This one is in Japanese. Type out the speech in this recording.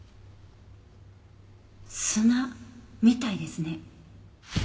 砂みたいですね。